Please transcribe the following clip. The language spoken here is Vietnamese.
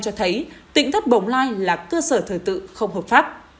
cho thấy tỉnh thất bồng lai là cơ sở thờ tự không hợp pháp